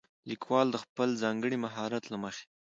ليکوال د خپل ځانګړي مهارت له مخې